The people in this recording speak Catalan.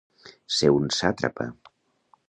Ser un sàtrapa.